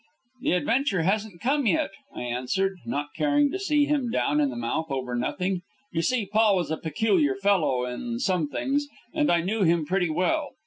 "The adventure hasn't come yet," I answered, not caring to see him down in the mouth over nothing. You see, Paul was a peculiar fellow in some things, and I knew him pretty well.